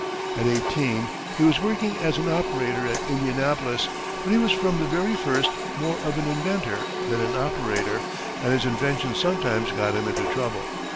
At eighteen, he was working as an operator at Indianapolis, but he was from the very first, more of an inventor than an operator, and his inventions sometimes got him into trouble.